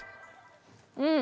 うん！